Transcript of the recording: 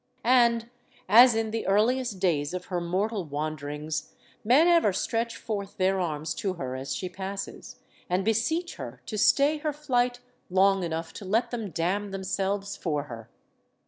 And, as in the earliest days of her mortal wanderings, men ever stretch forth their arms to her as she passes, and beseech her to stay her flight long enough to let them damn themselves for her.